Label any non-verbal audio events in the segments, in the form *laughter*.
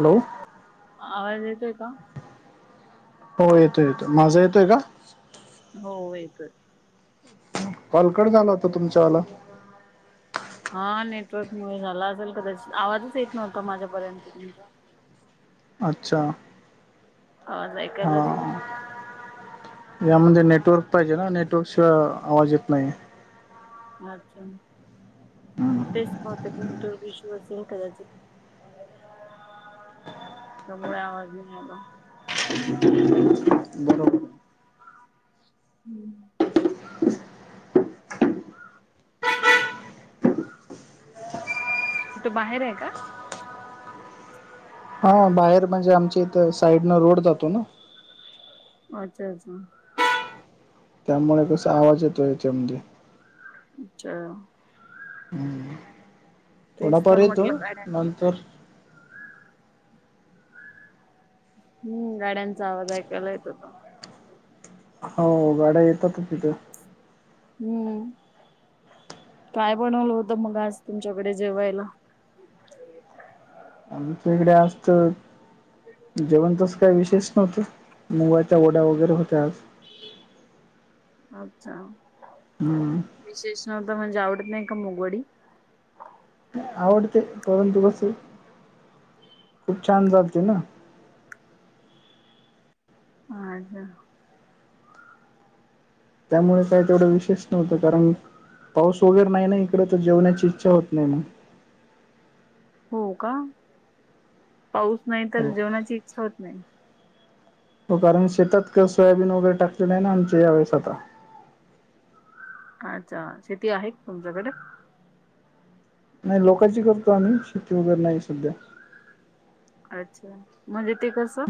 Hello. आवाज येतोय का? हो, येतोय येतोय. माझा येतोय का? हो, येतोय. कॉल कट झाला होता तुमच्या वाला. हा, नेटवर्क मुळे झाला असेल कदाचित, आवाजच येत नव्हता माझ्यापर्यंत तुमचा. अच्छा. आवाज ऐकायलाच येत हां नव्हता या मध्ये नेटवर्क पाहिजे ना, नेटवर्क शिवाय आवाज येत नाही. *unintelligible* मग तेच बहुतेक *unintelligible* सिंग कदाचित. त्यामुळे आवाज नाही आला. बरोबर आहे. कुठं बाहेर आहे का? हा, बाहेर म्हणजे आमच्या इथं साईडनं रोड जातो ना. अच्छा अच्छा त्यामुळे कसं आवाज येतो याच्यामध्ये. अच्छा. तेच थोडाफार तर येतो, म्हटलं गाड्या नंतर हम्म, गाड्यांचा आवाज ऐकायला येत होता मला. हो, गाड्या येतातच इथं. हम्म, काय बनवलं होत मग आज तुमच्याकडे जेवायला? आमच्या इकडे असतं जेवण तसं काय विशेष नव्हतं, मुगाच्या वड्या वगैरे होत्या आज. अच्छा! हम. विशेष नव्हत म्हणजे आवडत नाही का मुगवडी. आवडते परंतु कस, खूप छान झालती ना. अछा त्यामुळे काय तेवढं विशेष नव्हतं कारण, पाऊस वगैरे नाही नाही इकडे तर जेवण्याची इच्छा होत नाही मग. हो का? पाऊस नाही तर जेवणाची इच्छा होत नाही. हो कारण शेतात का सोयाबीन वगैरे टाकले नाही ना आमच्या यावेळेस आता. अच्छा शेती आहे तुमच्याकडे? नाही लोकांची करतो आम्ही, शेती वगैरे नाही सध्या. अच्छा म्हणजे ते कसं?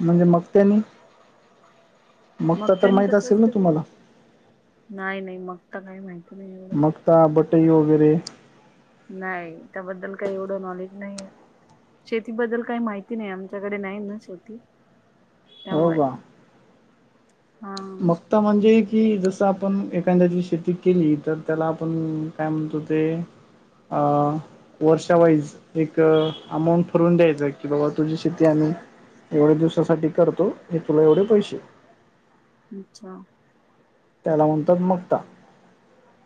म्हणजे मग त्यांनी *unintelligible* तर मगतानी माहित कसं असेल ना असते बरं? तुम्हाला. नाही नाही, मग तर काही माहिती नाही एवढं. त्या बटई वगैरे. नाही त्याबद्दल काही एवढं नॉलेज नाही आहे. शेतीबद्दल काही माहिती नाही, आमच्याकडे नाही ना शेती. हो त्यामुळे का? हा आता म्हणजे की जसं आपण एखांद्याची शेती केली तर त्याला आपण काय म्हणतो ते अ वर्षावाईज एक अमाऊंट ठरवून द्यायचं की बाबा तुझी शेती आम्ही एवढ्या दिवसासाठी करतो, हे तुला एवढे पैसे अच्छा त्याला म्हणतात मगता.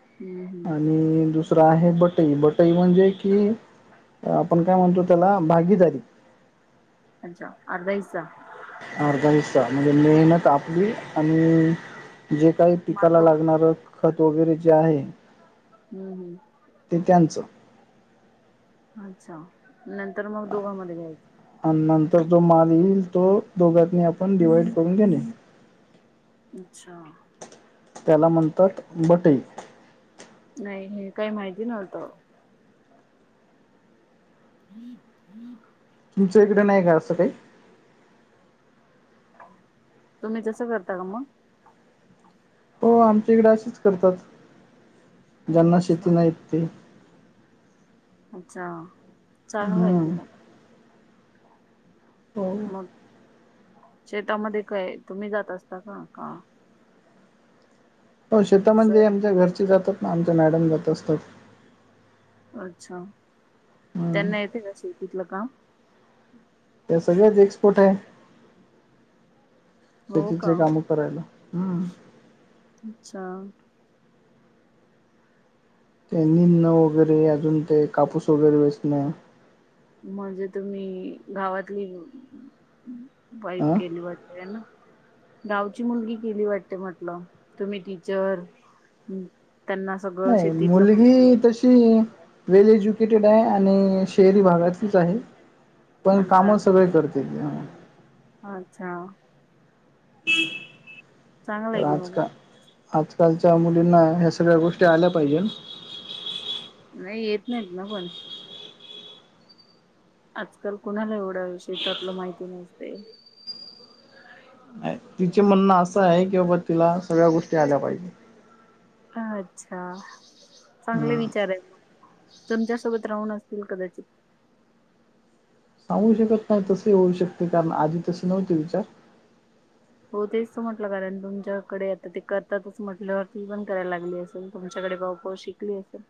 हम्म हम्म आणि दुस दुसरा आहे बटई, बटई म्हणजे कि आपण काय म्हणतो त्याला भागीदारी. अच्छा अर्धा हिसा. अर्धा हिस्सा म्हणजे, मेहनत आपली आणि जे काही माल पिकाला दोघांचा लागणार खत वगैरे जे आहे हम्म हम् ते त्यांचं. अच्छा नंतर मग दोघांमध्ये घ्यायचं. आणि नंतर जो माल येईल तो दोघांनी आपण डिवाइड करून घेणे. अच्छा त्याला म्हणतात बटई. नाही हे काही माहिती नव्हतं. हम्म हम्म. तुमच्या इकडे नाही का असं काही? तुम्ही जसं करता का मग? हो आमच्या इकडे असच करतात ज्यांना शेती अच्छा नाहीत ते अच्छा चांगलं आहे हम्म कि मग हो मग शेतामध्ये काय तुम्ही जात असता का? का हो शेत म्हणजे सोयाबीन आमच्या घरची जातात ना आमच्या मॅडम जात असतात. अच्छा हम्म त्यांना येते का शेतीला काम? त्या सगळ्याच एक्सपर्ट आहे, हो का शेतीतले काम करायला अच्छा ते निदणं वगैरे, अजून ते कापूस वगैरे वेचणं म्हणजे तुम्ही गावातली वाईफ अ केली वाटतं ना? गावची मुलगी केली वाटते म्हटलं, तुम्ही टीचर त्यांना सगळं नाही, शेतीतलं मुलगी माहिती आहे तशी ती वेल एज्युकेटेड आहे, आणि शहरी भागातलीच आहे. पण काम अच्छा सगळे करते ती अच्छा चांगलं आहे तर की आज मग का आजकालच्या मुलींना ह्या सगळ्या गोष्टी आल्या पाहिजे ना नाही येत नाहीत ना पण आजकाल कुणाला एवढ्या विषय त्यातलं माहिती नसते नाही तिचे म्हणणं असं आहे, की बाबा तिला सगळ्या गोष्टी आल्या पाहिजे. आच्छा चांगले हम्म विचार आहेत म- तुमच्यासोबत राहून असतील कदाचित. सांगू शकत नाही तस होऊ शकते कारण आधी तसे नव्हते विचार हो तेच तर म्हटलं कारण तुमच्याकडे आता ते करतातच म्हटल्यावरती पण करायला लागली अस- तुमच्याकडे भाऊपाऊ शिकली असेल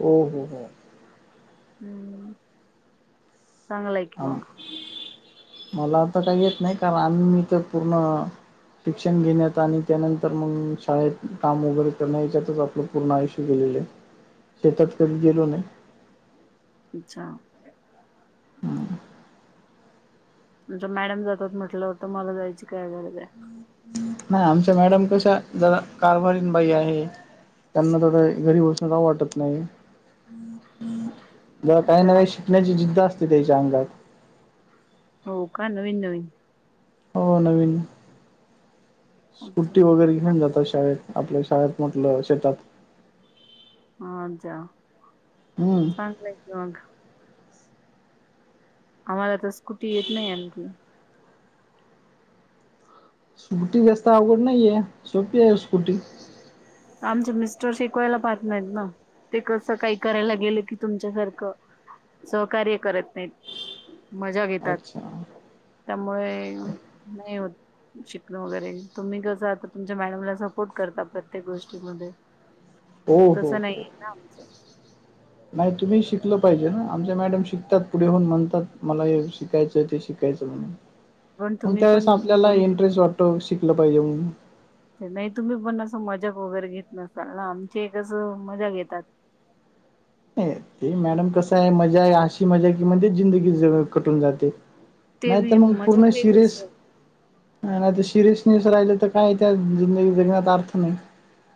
हो -हो- हो हम्म चांगलाय की आ, मग मला तर काही येत नाही कारण आम्ही तर पूर्ण ट्युशन घेण्यात, आणि त्यानंतर मग शाळेत काम, वगैरे करणं याच्यातच आपलं पूर्णआयुष्य गेलेले हाय, शेतात कधी गेलो नाही. अच्छा हम नंतर मॅडम जातात म्हटलं तर, मग जायची काय गरज आहे? नाही....... आमच्या मॅडम कशा, जरा कारभारीन बाई आहे. त्यांना तरी काय बसून राहावं वाटत नाही जात काही ना अच्छा काही शिकण्याची जिद्द असते तेच्या अंगात हो का?.... नविन नविन हो नविन अच्छा स्कूटी वगैरे घेऊन जातात शाळेत आपल्या शाळेत म्हटलं....... शेतात हा हम्म चांगलेय आहे कीं मग आम्हाला तर स्कुटी येत नाही आणखी स्कुटी जास्त अवघड नाहीये सोपी आहे स्कूटी आमचे मिस्टर शिकवायला पाहत नाहीत ना ते कसं.... काही करायला गेलं, की तुमच्यासारखं सहकार्य करत नाहीत. मज्या घेतात अच्छा त्यामुळे नाही होत शिकण वगैरे तुम्ही कसं आता तुमच्या मॅडमला सह सपोर्ट करता, प्रत्येक गोष्टीमध्ये हो तस हो हो नाहीये ना आमचं नाही. तुम्ही शिकल पाहिजे ना, आमच्या मॅडम शिकतात पुढे होऊन. म्हणतात मला हे शिकायचं ते शिकायचं शिकयच म्हणून पण मग तुम्ही पण त्यावेळेस आपल्याला करू दे इंटरेस्ट वाटतो, शिकलं पाहिजे म्हणून नाही...... तुम्ही पण असं मजाक वगैरे घेत नसाल ना, आमचे हे कस असं मजा घेतात नाही ते मॅडम कस आहे मजा आहे अशी मजा हाय कि म्हणजेच जिंदगी सगळ कटाळुन जाते नाही तर ते मग पूर्ण मजाक वेगळी सिरीस सर आणि आता सिरियस न्यूस राहिले तर काय त्या जिंदगी जगण्याचा अर्थ नाही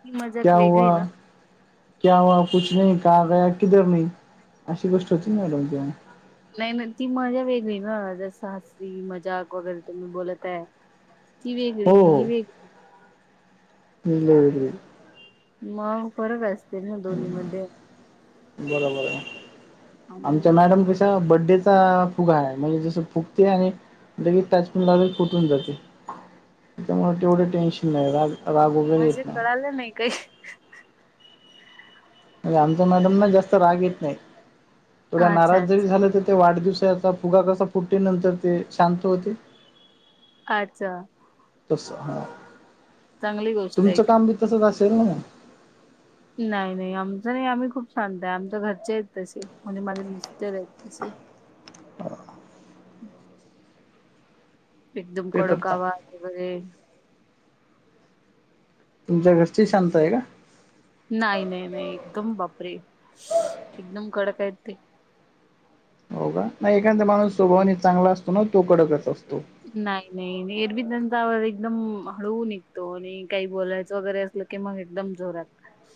ही मजाक क्या वेगळी हाय हुआ ना क्या हुवा? कुछ नही, कहा गया?. किधर नही, अशी गोष्ट होती मॅडम ती नाही- नाही, ती मजा वेगळी ग जसा हासी मजाक वगैरे तुम्ही बोलत आहे ती वेगळी हो ही वेगळी दिली मग फरक असतो ते ना दोन्ही मध्ये बरोबर हा बडेचा हा फुगा आहे. म्हणजे, जसं फुगते आणि लगेच टाच पीन लागली फुटून जाते त्याच्यामुळे तेवढं टेन्शन नाही रा म्हणजे कळालं नाही काही म्हणजे आमचा मॅडम ना जास्त राग येत नाही थोड्या अच्छा नाराज जरी अच्छा झालं तर ते वाढदिवसाचा फुगा कसा फुटतोय नंतर ते शांत होते. अच्छा तस हा चांगली गोष्ट आहे तुमचं की. काम बी तसच असेल ना? नाही नाही आमच नाही आम्ही खूप शांत आहे आमच्या घरचे आहेत तसे म्हणजे माझे मिस्टर आहेत तसे *inaudible* एकदम कडक पेटरचा आवाज वगैरे तुमच्या घरची शांत आहे का? नाही -नाही -नाही, एकदम बापरे! एकदम! कडक आहेत ते हो का? नाही, एखादा माणूस स्वभावने चांगला असतो ना तो कडकच असतो. नाही नाही एरवी त्यांचा आवाज एकदम हळु निघतो, आणि काही बोलायचं वगैरे असलं की मग एकदम जोरात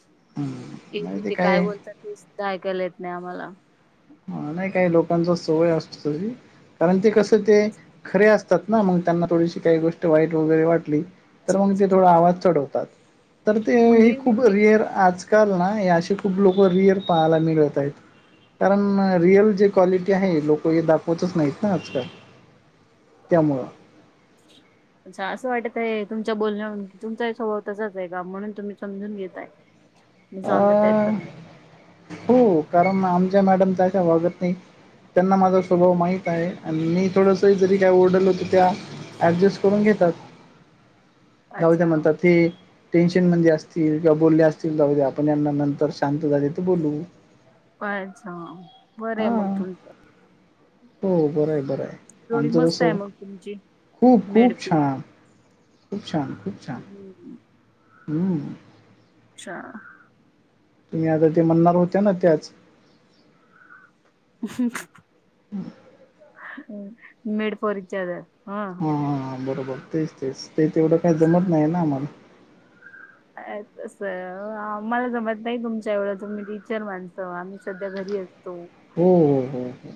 *inaudible* एरवी ते काय बोलतात ते सुद्धा ऐकायला येत नाही आम्हाला हा नाही काही लोकांचा सवय असतो तरी कारण ते कसं ते खरे अस तात ना मग त्यांना थोडीशी काही गोष्ट वाईट वगैरे वाटली तर मग ते थोडा आवाज चढवतात. तर ते मग हे एरवी खूप मी रिअर आजकाल ना हे असे खूप लोक रिअर पाहायला मिळत आहेत. कारण रिअल जे क्वालिटी आहे लोकं हे दाखवतच नाहीत ना आजकाल त्यामुळं अच्छा असं वाटत आहे तुमच्या बोलण्यावर तुमचाही स्वभाव तसाच आहे का म्हणून तुम्ही समजून घेताय. ह मी सांगत आहे तर हो कारण आमच्या मॅडम तश्या वागत नाही त्यांना माझा स्वभाव माहित आहे. आणि मी थोडंसं जरी काय ओरडलो त त्या ऍडजस्ट करून घेतात. जाऊ द्या अच्छा म्हणतात ते टेन्शन मंधी असतील किंवा बोलले असतील जाऊ द्या. आपण यांना नंतर शांत झाले तर बोलू *unintelligible* बरं आहे हा मग तुमचं हो बरं आहे बरं आहे जोडी आमचं तस मस्त आहे मग तुमची खूप मेड खूप फुल छान खूप छान खूप छान हम अच्छा तुम्ही आता ते म्हणणार होत्या ना त्याच मेड फॉर ईच अदर हा हा बरोबर तेच तेच ते तेवढं काही जमत अच्छा नाही ना आम्हाला तसं आम्हाला जमत नाही तुमच्या एवढं तुम्ही टीचर माणसं आम्ही सध्या घरी अस तो हो हो हो हो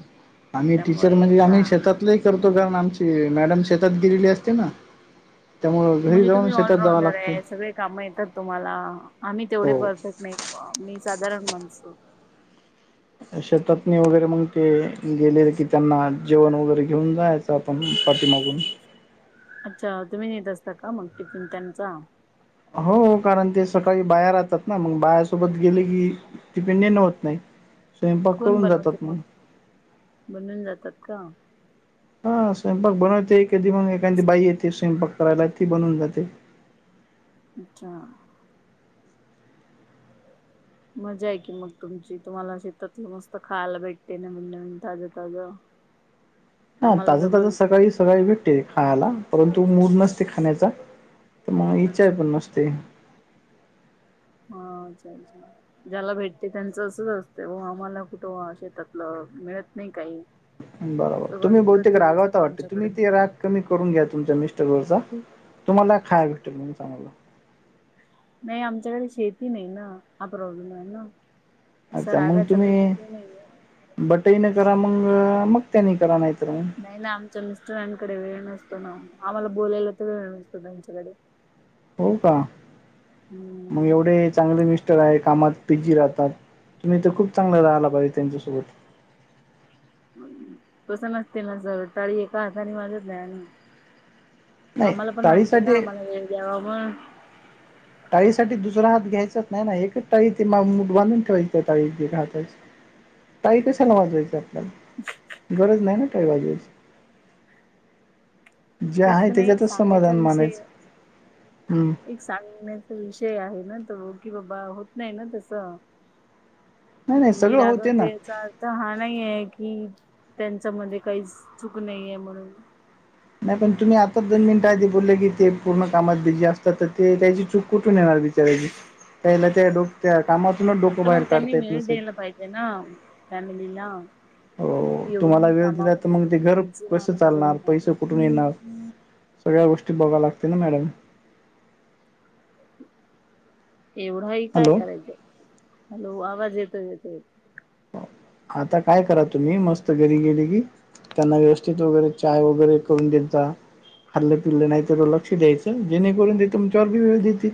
आम्ही टीचर त्यामुळे म्हणजे का आम्ही शेतात नाही करतो काम आमची मॅडम शेतात गेलेली असते ना. त्यामुळं घरी म्हणजे जाऊन तुम्ही शेतात जावं ऑलराऊंडर लागते आहे सगळे कामं येतात तुम्हाला आम्ही तेवढे हो. परफेक्ट नाही. मी साधारण माणसं शेतातनी वगैरे मग ते गेलेले किती त्यांना जेवण वगैरे घेऊन जायचं आपण पाठीमागून अच्छा तुम्ही नेत असता का मग टिफिन त्यांचा हो कारण ते सकाळी बाया राहतात ना मग बायासोबत गेलं की डिपेंडेन होत नाही. स्वयंपाक कोण करून जातात बनवतं मग? बनवुन जातात का? हा स्वयंपाक बनवते एखादी मग एखादी बाई येते स्वयंपाक करायला ती बनवून जाते. अच्छा मजा आहे की मग तुमची तुम्हाला शेतातलं मस्त खायला भेटते नवीन नवीन ताज ताजं हा आम्हाला ताज सगळं ताज विकत सकाळीच सगळं भेटतंय खायला परंतु मूड नसते खाण्याचा तर मग इच्छा अच्छा पण नसते. ह चालेल चालेल. ज्याला भेटते त्यांचं असंच असतें ओ आम्हाला कुठं शेतातलं मिळत नाही काही. बरोबर सगळं तुम्ही बहुतेक विकतच असतं रागावता वाटते आमच्याकडे. तुम्ही ते राग कमी करून घ्या तुमच्या मिस्टर वरचा तुम्हाला खायला भेटेलं चांगला नाही आमच्याकडे शेती नाही ना हा प्रॉब्लेम आहे ना. असं रागाचा काही विषय नाहीये. बटई न करा मग, मग त्यानी करा नाहीतर मग. नाही ना आमच्या मिस्टरांकडे वेळ नसतो ना, आम्हाला बोलायला तर वेळ नसतो त्यांच्याकडे. हो का? मग हम्म एवढे चांगले मिस् मिस्टर हाय कामात बीजी राहतात. तुम्ही तर खूप चांगलं राहाला पाहिजे त्यांच्यासोबत. तसं नसते ना सर. टाळी एका हाताने वाजत नाही ना. *inaudible* आम्हाला पण वाटते ना, टाळीसाठी आम्हाला वेळ द्यावा मग टाळीसाठी दुसरा हात घ्यायचाच नाही ना. एकच टाळी ते मागून बांधून ठेवायची त्या टाळी एका हाताची. टाळी कशाला वाजवायचं आपल्याला. *unintelligible* गरज नाही ना टाळी वाजवायची. जे तस आहे नाही एक त्याच्यातच सांगायचा समाधान विषय मानायचं हे हम्म एक सांगण्याचा विषय आहे ना तो, की बाबा होत नाही ना तसं. नाही नाही मी सगळं होते ना रागवते याचा अर्थ हा नाही आहे की, त्यांच्या मध्ये काहीच चूक नाहीये म्हणून. नाही पण तुम्ही आताच दोन मिनट आधी बोलले की, ते पूर्ण कामात बीजी असतात तर ते त्याची चूक कुठून येणार *unintelligible* त्याला त्या डोक त्या कामातूनच डोकं बाहेर काढता येत नसेल. हे ना फॅमलीला हो. तुम्हाला वेळ दिला तर मग ते घर बिझी कसं राहणं बरोबर चालणार, पैसे नाही कुठून येणार. सगळ्या गोष्टी बघा लागते ना मॅडम. एवढा ही काय हॅलो करायचं. हॅलो आवाज येतोय येतोय. आता काय करा तुम्ही, मस्त घरी गेले की त्यांना व्यवस्थित वगैरे, चाय वगैरे करून देत जा. खाल्लं पिलं नाही तर लक्ष द्यायचं, जेणे करून ते तुमच्यावरती वेळ देतील.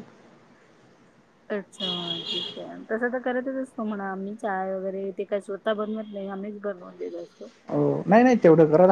अच्छा ठीक आहे. तसं तर करतच असतो म्हणा आम्ही, चाय वगैरे ते काय स्वत स्वतः बनवत नाही आमीच बनवून दिलो असतो. हो नाही नाही तेवढं